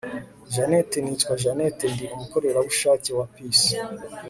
janet nitwa janet, ndi umukorerabushake wa pc